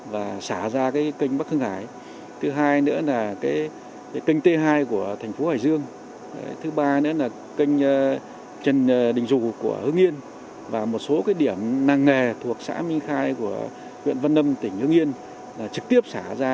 trong đó xả ra kênh bắc hương hải kênh t hai của thành phố hải dương kênh trần đình dù của hương yên và một số điểm năng nghề thuộc xã minh khai của huyện văn âm tỉnh hương yên trực tiếp xả ra